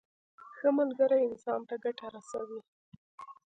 ښه ملګری انسان ته ګټه رسوي.